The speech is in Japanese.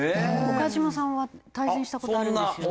岡島さんは対戦した事あるんですよね？